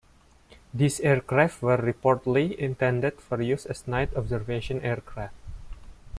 These aircraft were reportedly intended for use as night observation aircraft.